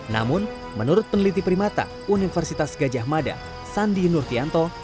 namun menurut peneliti primata universitas gajah mada sandi nurtianto